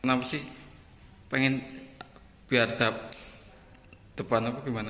apakah pengen biar depan apa bagaimana